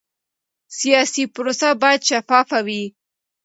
سیاسي پروسه باید شفافه وي